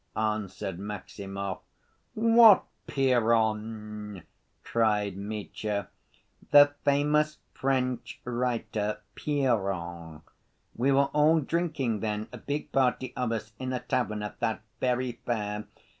answered Maximov. "What Piron?" cried Mitya. "The famous French writer, Piron. We were all drinking then, a big party of us, in a tavern at that very fair.